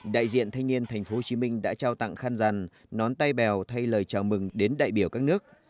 đại diện thanh niên tp hcm đã trao tặng khăn rằn nón tay bèo thay lời chào mừng đến đại biểu các nước